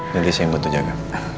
nanti saya yang bantu jaga